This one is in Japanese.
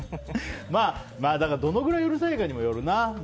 だからどのぐらいうるさいかによるな。